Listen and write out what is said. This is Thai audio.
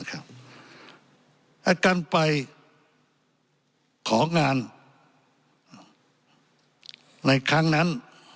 การไปของานในครั้งนั้น